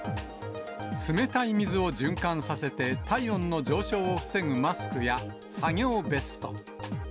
冷たい水を循環させて、体温の上昇を防ぐマスクや、作業ベスト。